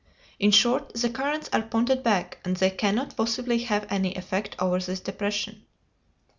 In short, the currents are ponded back, and they cannot possibly have any effect over this depression."